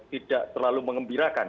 tidak terlalu mengembirakan